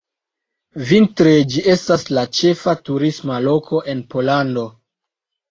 Vintre, ĝi estas la ĉefa turisma loko en Pollando.